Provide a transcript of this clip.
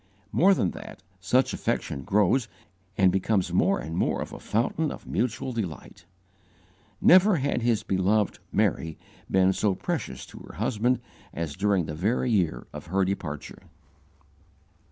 More than that, such affection grows and becomes more and more a fountain of mutual delight. Never had his beloved "Mary" been so precious to her husband as during the very year of her departure.